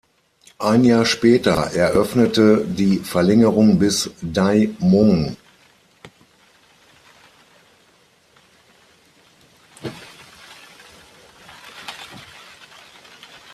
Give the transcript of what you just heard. Ein Jahr später eröffnete die Verlängerung bis Daimon.